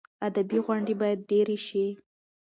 ادبي غونډې باید ډېرې شي.